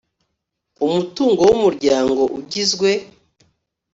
umutungo w umuryango ugizwe